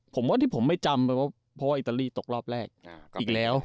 ผมว่าที่ผมไม่จำเพราะว่าอิตาลีตกรอบแรกอีกแล้ว